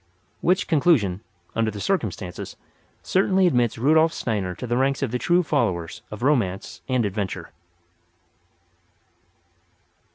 Which conclusion, under the circumstances, certainly admits Rudolf Steiner to the ranks of the true followers of Romance and Adventure.